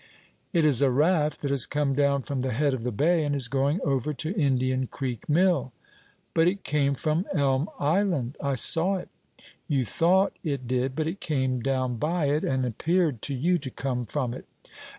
"It is a raft, that has come down from the head of the bay, and is going over to Indian Creek Mill." "But it came from Elm Island; I saw it." "You thought it did; but it came down by it, and appeared to you to come from it."